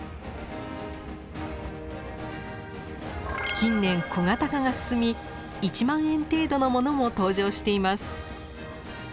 近年小型化が進み１万円程度のものも登場しています。